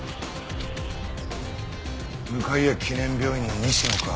向谷記念病院の西野か。